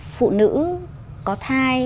phụ nữ có thai